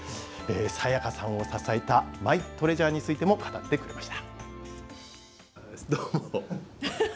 さやかさんを支えたマイトレジャーについても語ってくれました。